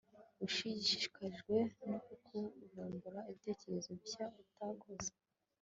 ushishikajwe no kuvumbura ibitekerezo bishya utakoze